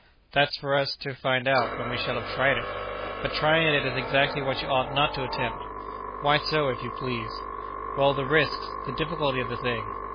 "That's for us to find out when we shall have tried it!" "But trying it is exactly what you ought not to attempt." "Why so, if you please?" "Well, the risks, the difficulty of the thing."